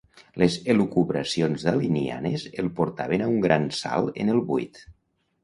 Les elucubracions dalinianes el portaven a un gran salt en el buit.